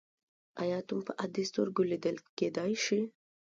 ایا اتوم په عادي سترګو لیدل کیدی شي.